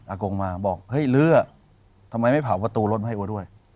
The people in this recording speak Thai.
กงมาบอกเฮ้ยเรือทำไมไม่เผาประตูรถมาให้กูด้วย